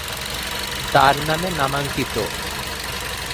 তার নামে নামাঙ্কিত